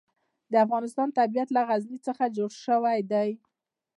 د افغانستان طبیعت له غزني څخه جوړ شوی دی.